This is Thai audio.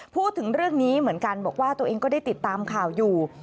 พูดถึงเรื่องนี้เหมือนกันบอกว่าตัวเองก็ได้ติดตามข่าวอยู่